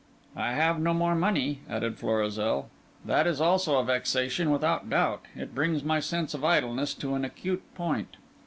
"I have no more money," added Florizel. "That is also a vexation, without doubt. It brings my sense of idleness to an acute point."